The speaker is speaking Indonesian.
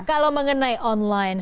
kalau mengenai online